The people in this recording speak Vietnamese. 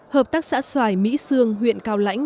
hợp tác xã xoài mỹ sương huyện cao lãnh